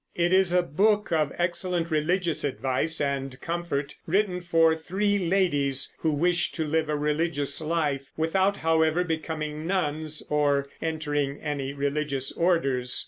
It is a book of excellent religious advice and comfort, written for three ladies who wished to live a religious life, without, however, becoming nuns or entering any religious orders.